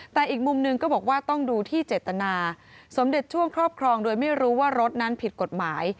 แต่อีกมุมหนึ่งก็บอกว่าต้องดูที่เจตนาสมเด็จช่วงครอบครองโดยไม่รู้ว่ารถนั้นผิดกฎหมาย